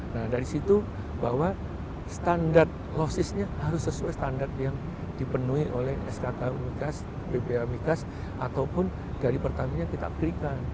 nah dari situ bahwa standar lossesnya harus sesuai standar yang dipenuhi oleh skk mikas bbm mikas ataupun dari pertamina kita klikkan